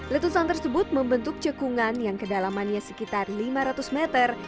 letusan tersebut membentuk cekungan yang kedalamannya sekitar lima ratus meter